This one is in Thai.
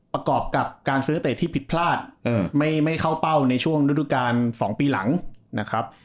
ประกอบกับการซื้อนักเตะที่ผิดพลาดไม่เข้าเป้าในช่วงฤดูการ๒ปีหลังนะครับ